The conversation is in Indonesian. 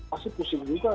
pasti pusing juga ada covid